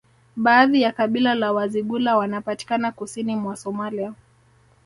Baadhi ya kabila la Wazigula wanapatikana kusini mwa Somalia